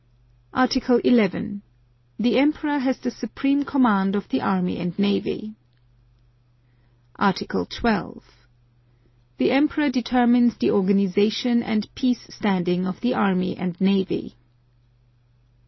Article 11. The Emperor has the supreme command of the Army and Navy. Article 12. The Emperor determines the organization and peace standing of the Army and Navy.